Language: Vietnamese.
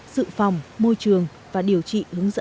dự phòng môi trường và điều trị hướng dẫn